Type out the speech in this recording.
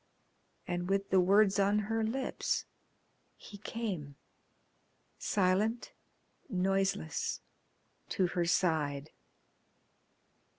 And with the words on her lips he came, silent, noiseless, to her side.